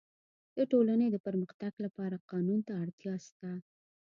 د ټولني د پرمختګ لپاره قانون ته اړتیا سته.